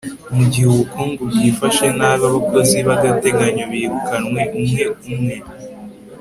mugihe ubukungu bwifashe nabi, abakozi b'agateganyo birukanwe umwe umwe